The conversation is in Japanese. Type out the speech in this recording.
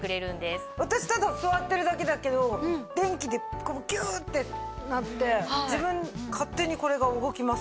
私ただ座ってるだけだけど電気でギューってなって勝手にこれが動きます。